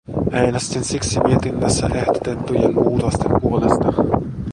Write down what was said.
Äänestin siksi mietinnössä ehdotettujen muutosten puolesta.